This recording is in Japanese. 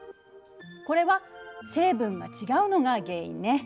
これは成分が違うのが原因ね。